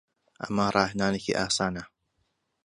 ئەمە ڕاهێنانێکی ئاسانە.